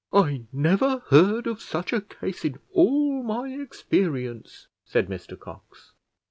"I never heard of such a case in all my experience," said Mr Cox.